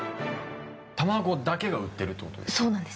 卵だけが売ってるってことですか？